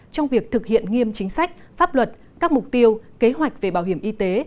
trong việc thực hiện nghiêm chính sách pháp luật các mục tiêu kế hoạch về bảo hiểm y tế